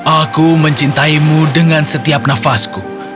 aku mencintaimu dengan setiap nafasku